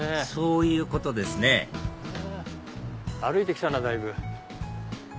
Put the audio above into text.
そういうことですね歩いて来たなだいぶ。